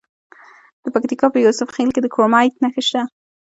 د پکتیکا په یوسف خیل کې د کرومایټ نښې شته.